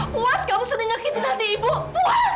puas kamu sudah nyakitkan hati ibu puas